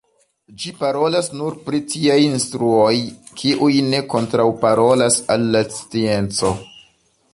Ĝi parolas nur pri tiaj instruoj, kiuj ne kontraŭparolas al la scienco.